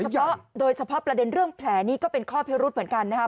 ใช่ค่ะโดยเฉพาะประเด็นเรื่องแผลนี้ก็เป็นข้อเพราะเหลือเหมือนกันนะครับ